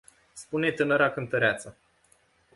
Spune tânăra cântăreață.